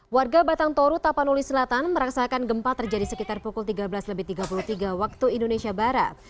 warga batang toru tapanuli selatan meraksakan gempa terjadi sekitar pukul tiga belas tiga puluh tiga waktu indonesia barat